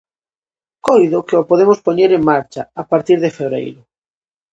Coido que o podemos poñer en marcha a partir de febreiro.